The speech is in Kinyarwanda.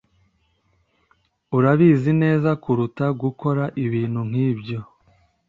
urabizi neza kuruta gukora ibintu nkibyo